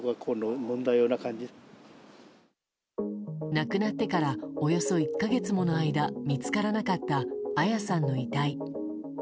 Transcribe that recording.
亡くなってからおよそ１か月もの間見つからなかった彩さんの遺体。